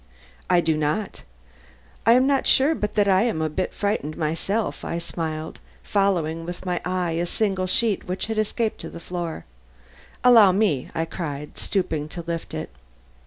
"I do not. I am not sure but that I am a little bit frightened myself," I smiled, following with my eye a single sheet which had escaped to the floor. "Allow me," I cried, stooping to lift it.